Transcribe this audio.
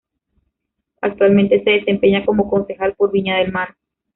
Actualmente se desempeña como concejal por Viña del Mar.